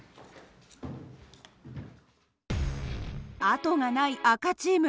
後がない赤チーム。